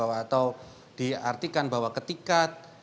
atau diartikan bahwa ketika